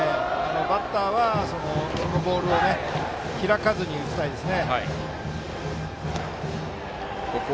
バッターはそのボールを開かずに打ちたいです。